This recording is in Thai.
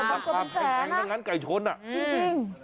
เออมันแพงนะจริงมันแพงนะจริง